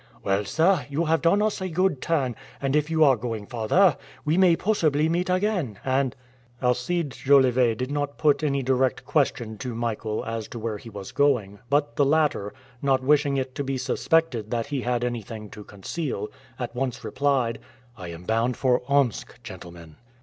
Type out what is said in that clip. "Well, sir, you have done us a good turn, and if you are going farther we may possibly meet again, and " Alcide Jolivet did not put any direct question to Michael as to where he was going, but the latter, not wishing it to be suspected that he had anything to conceal, at once replied, "I am bound for Omsk, gentlemen."